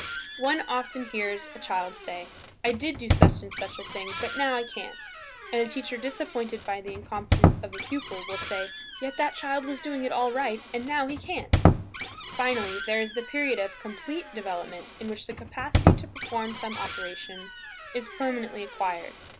One often hears a child say, "I did do such and such a thing but now I can't!" and a teacher disappointed by the incompetence of a pupil will say, "Yet that child was doing it all right–and now he can't!" Finally there is the period of complete development in which the capacity to perform some operation is permanently acquired.